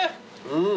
うん。